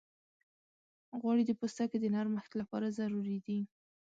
غوړې د پوستکي د نرمښت لپاره ضروري دي.